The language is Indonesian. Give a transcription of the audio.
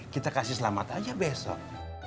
kita kasih selamat aja besok